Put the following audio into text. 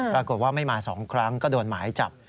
ปรากฏว่าไม่มา๒ครั้งก็โดนหมายจับ